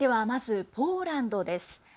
まず、ポーランドです。